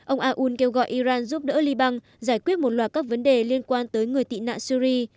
ông aoun kêu gọi iran giúp đỡ liên bang giải quyết một loạt các vấn đề liên quan tới người tị nạn syri